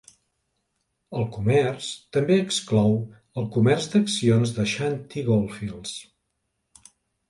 El comerç també exclou el comerç d'accions d'Ashanti Goldfields.